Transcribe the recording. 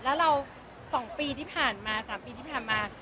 แล้วเรา๒ปีที่ผ่านมา๓ปีที่ผ่านมา